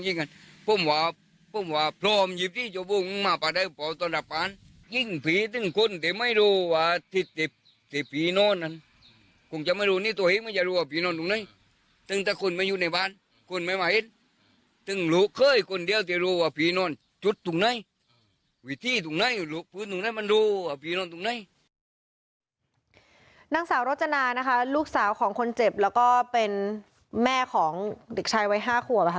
นางสาวรจนานะคะลูกสาวของคนเจ็บแล้วก็เป็นแม่ของเด็กชายวัย๕ขวบค่ะ